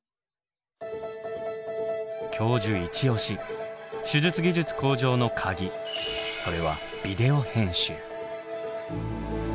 教授イチ押し手術技術向上のカギそれはビデオ編集。